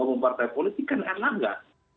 bahwa mempartai politik kan enak nggak